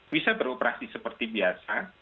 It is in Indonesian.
bisa beroperasi seperti biasa